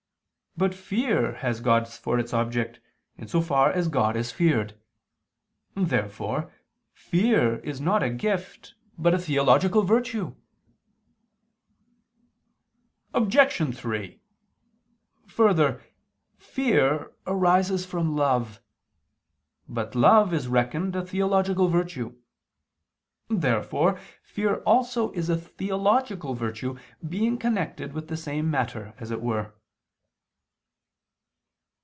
But fear has God for its object, in so far as God is feared. Therefore fear is not a gift, but a theological virtue. Obj. 3: Further, fear arises from love. But love is reckoned a theological virtue. Therefore fear also is a theological virtue, being connected with the same matter, as it were.